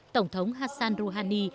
tổng thống hassan rouhani